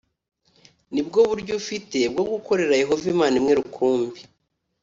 Ni bwo buryo ufite bwo gukorera Yehova Imana imwe Rukumbi